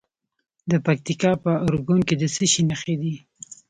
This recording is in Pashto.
د پکتیکا په ارګون کې د څه شي نښې دي؟